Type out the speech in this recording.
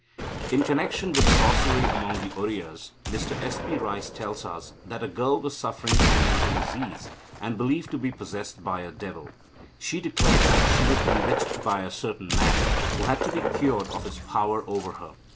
In connection with sorcery among the Oriyas, Mr S. P. Rice tells us that a girl was suffering from mental disease, and believed to be possessed by a devil. She declared that she was bewitched by a certain man, who had to be cured of his power over her.